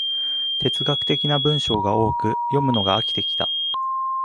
哲学的な文章が多く、読むのが飽きてきた